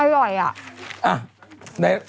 อร่อยอะ